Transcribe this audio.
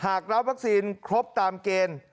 รับวัคซีนครบตามเกณฑ์